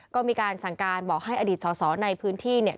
ก็มีการสั่งการบอกให้อดีตสอสอในพื้นที่เนี่ย